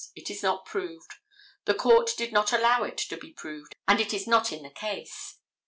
It is not proved: the court did not allow it to be proved, and it is not in the case.